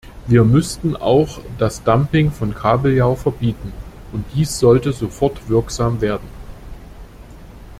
Wir müssten auch das Dumping von Kabeljau verbieten, und dies sollte sofort wirksam werden.